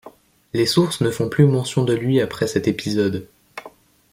Les sources ne font plus mention de lui après cet épisode.